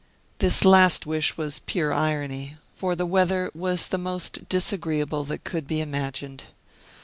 This last wish was pure irony, for the weather was the most disagreeable that could be imagined.